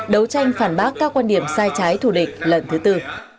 đấu tranh phản bác các quan điểm sai trái thủ định lần thứ tư